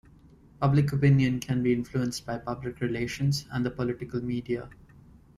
Public opinion can be influenced by public relations and the political media.